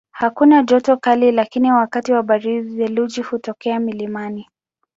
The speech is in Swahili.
Hakuna joto kali lakini wakati wa baridi theluji hutokea mlimani.